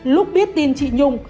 lúc biết tin chị nhung